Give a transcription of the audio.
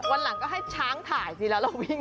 วันหลังก็ให้ช้างถ่ายสิแล้วเราวิ่ง